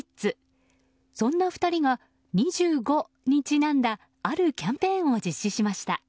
そんな２人が２５にちなんだあるキャンペーンを実施しました。